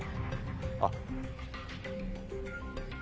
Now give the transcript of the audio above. あっ。